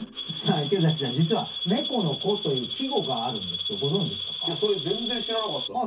池崎さん実は「猫の子」という季語があるんですけどご存じでしたか？